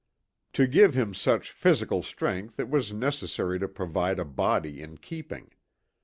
To give him such physical strength it was necessary to provide a body in keeping.